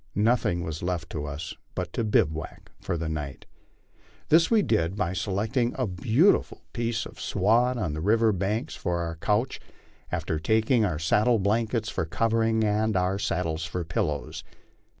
Nothing was left to us bat to bivouac for the night. This we did by se lecting a beautiful piece of sward on the river bank for our couch, and taking our saddle blankets for covering and our saddles for pillows.